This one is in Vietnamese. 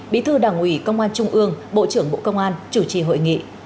bí thư đảng ủy công an trung ương bộ trưởng bộ công an chủ trì hội nghị